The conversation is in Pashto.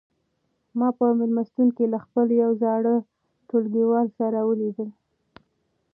ما په مېلمستون کې له خپل یو زاړه ټولګیوال سره ولیدل.